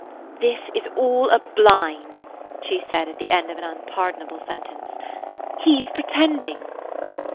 "This is all a blind," she said at the end of an unpardonable sentence. "He 's pretending."